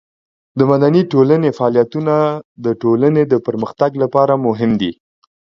د مدني ټولنې فعالیتونه د ټولنې د پرمختګ لپاره مهم دي.